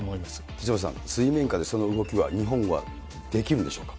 手嶋さん、水面下でその動きは日本はできるんでしょうか。